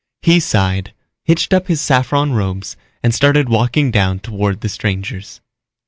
He sighed, hitched up his saffron robes and started walking down toward the strangers.